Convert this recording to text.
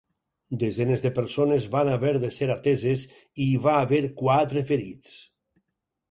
Desenes de persones van haver de ser ateses i hi va haver quatre ferits.